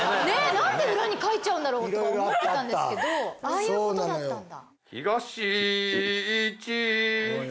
何で裏に書いちゃうんだろうとか思ってたんですけどああいうことだったんだ。